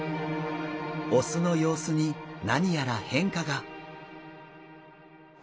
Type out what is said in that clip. オスの様子に何やら変化が！？